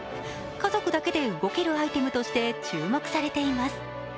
家族だけで動けるアイテムとして注目されています。